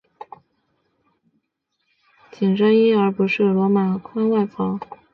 凯撒被描述为穿着伊丽莎白时代的紧身衣而不是罗马宽外袍。